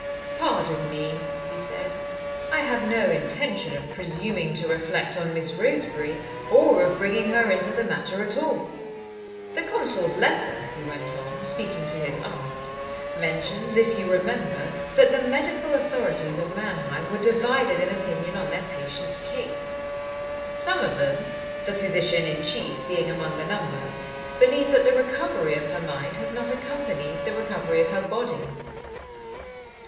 "Pardon me," he said. "I have no intention of presuming to reflect on Miss Roseberry, or of bringing her into the matter at all. The consul's letter," he went on, speaking to his aunt, "mentions, if you remember, that the medical authorities of Mannheim were divided in opinion on their patient's case. Some of them the physician in chief being among the number believe that the recovery of her mind has not accompanied the recovery of her body."